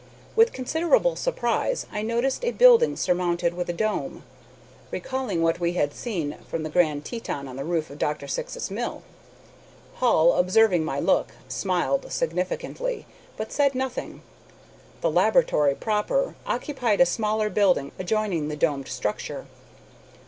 With considerable surprise I noticed a building surmounted with a dome, recalling what we had seen from the Grand Teton on the roof of Dr. Syx's mill. Hall, observing my look, smiled significantly, but said nothing. The laboratory proper occupied a smaller building adjoining the domed structure.